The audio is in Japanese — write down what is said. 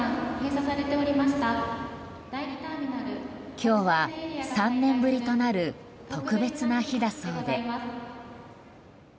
今日は、３年ぶりとなる特別な日だそうで。